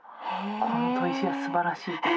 この砥石はすばらしいとか」。